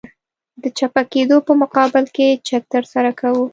د چپه کېدو په مقابل کې چک ترسره کوو